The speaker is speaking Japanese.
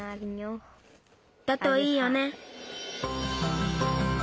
だといいよね。